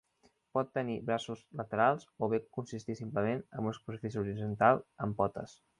Pot tenir braços laterals o bé consistir simplement en una superfície horitzontal amb potes.